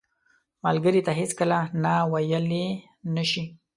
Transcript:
ملګری ته هیڅکله نه ویلې نه شي